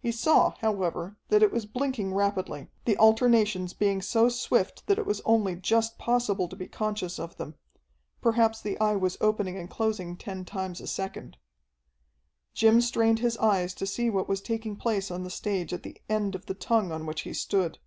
He saw, however, that it was blinking rapidly, the alternations being so swift that it was only just possible to be conscious of them. Perhaps the Eye was opening and closing ten times a second. Jim strained his eyes to see what was taking place on the stage at the end of the tongue on which he stood.